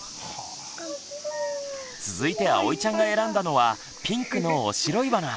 続いてあおいちゃんが選んだのはピンクのオシロイバナ。